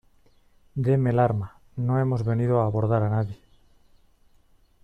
deme el arma. no hemos venido a abordar a nadie .